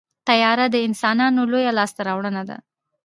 طیاره د انسانانو لویه لاسته راوړنه ده.